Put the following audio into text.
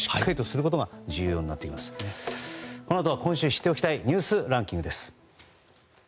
このあとは今週知っておきたいニュースランキングです。